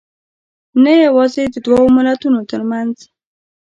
نه یوازې دوو ملتونو تر منځ